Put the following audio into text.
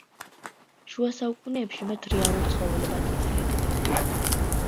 შუა საუკუნეებში მათ რეალურ ცხოველებად თვლიდნენ.